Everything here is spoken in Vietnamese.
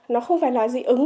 nó không phải là dị ứng